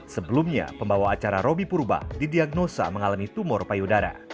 sebelumnya pembawa acara robby purba didiagnosa mengalami tumor payudara